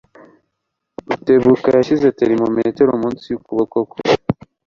Rutebuka yashyize termometero munsi yukuboko kwe